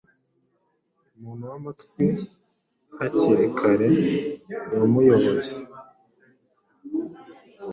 Umuntu wamatwi hakiri kare yamuyoboye